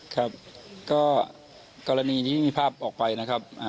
ครับก็กรณีที่มีภาพออกไปนะครับ